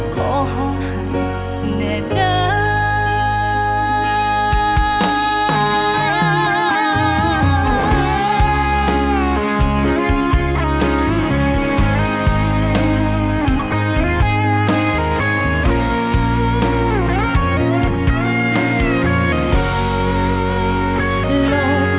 ขอห้องให้แน่นอน